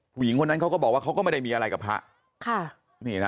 ผู้หญิงคนนั้นเขาก็บอกว่าเขาก็ไม่ได้มีอะไรกับพระ